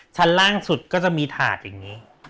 ชั้นล่างสุดก็จะมีถาดอย่างนี้